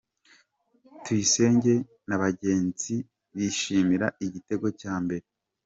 Tuyisenge na bagenzi bishimira igitego cya mbere.